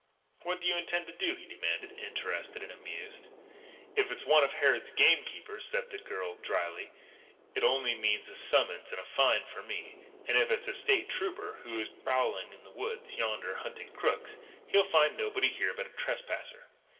"What do you intend to do?" he demanded, interested and amused. "If it's one of Harrod's game keepers," said the girl drily, "it only means a summons and a fine for me. And if it's a State Trooper, who is prowling in the woods yonder hunting crooks, he'll find nobody here but a trespasser.